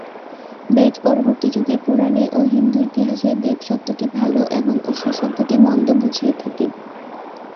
বেদ পরবর্তী যুগে, পুরাণে ও হিন্দু ইতিহাসে দেব শব্দটি ভাল এবং অসুর শব্দটি মন্দ বুঝিয়ে থাকে।